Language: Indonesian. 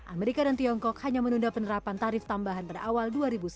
amerika dan tiongkok hanya menunda penerapan tarif tambahan pada awal dua ribu sembilan belas